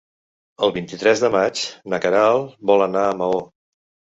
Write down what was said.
El vint-i-tres de maig na Queralt vol anar a Maó.